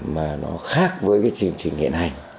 mà nó khác với cái chương trình này